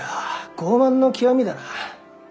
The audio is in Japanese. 傲慢の極みだな。